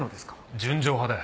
『純情派』だよ！